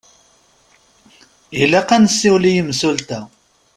Ilaq ad nessiwel i yimsulta.